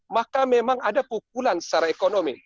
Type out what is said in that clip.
maka memang ada pukulan secara ekonomi